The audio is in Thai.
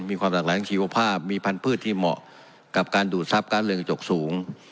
มีความหลากหลายชีวภาพมีพันธุ์ที่เหมาะกับการดูดทรัพย์การเรืองกระจกสูง